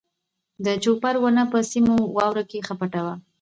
د جوپر ونه په سپینو واورو کې ښه پټه وه.